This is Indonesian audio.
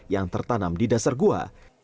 yang tertanam di dasar gua